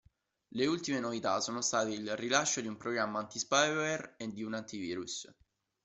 Le ultime novità sono state il rilascio di un programma antispyware e di un antivirus.